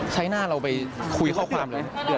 ใช้หน้าเราไปคุยข้อความเลย